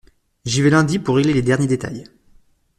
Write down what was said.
J’y vais lundi pour régler les derniers détails.